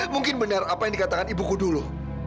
mungkin benar apa yang dikatakan ibuku dulu